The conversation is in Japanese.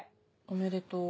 おめでとう。